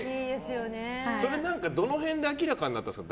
それ、どの辺で明らかになったんですか。